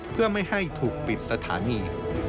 เพื่อไม่ให้ถูกปิดสถานี